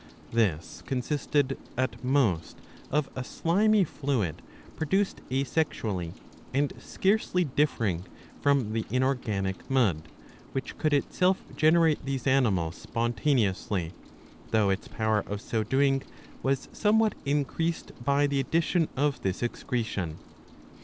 This consisted at most of a slimy fluid produced asexually, and scarcely diff"ering from the inorganic mud, which could itself generate these animals spontaneously, though its power of so doing was somewhat increased by the addition of this excretion.'